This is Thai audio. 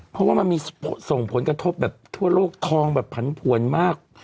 เพราะว่ามันมีส่งผลกระทบแบบทั่วโลกทองแบบผันผวนมาก